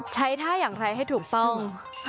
ใช้ท่าอย่างไรให้ถูกต้อง